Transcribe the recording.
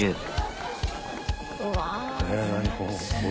うわ。